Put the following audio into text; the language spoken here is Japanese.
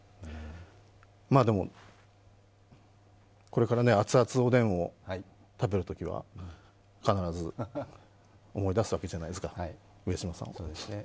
でも、これから熱々おでんを食べるときは必ず思い出すわけじゃないですか、上島さんを。